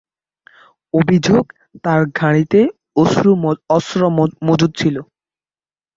অভিযোগ তার গাড়িতে অস্ত্র মজুত ছিল।